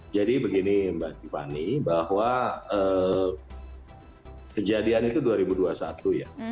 jadi begini mbak tiffany bahwa kejadian itu dua ribu dua puluh satu ya